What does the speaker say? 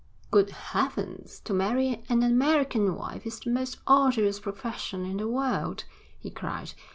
'Good heavens, to marry an American wife is the most arduous profession in the world,' he cried.